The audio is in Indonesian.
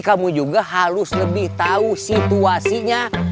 kamu juga harus lebih tahu situasinya